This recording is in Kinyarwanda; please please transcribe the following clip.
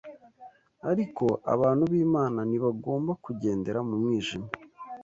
Ariko abantu b’Imana ntibagomba kugendera mu mwijima.